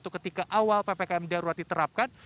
ketika awal ppkm darurat diterapkan